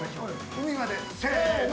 海までせーの。